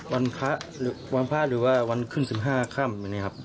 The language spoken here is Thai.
วันพระหรือว่าวันขึ้น๑๕ค่ำ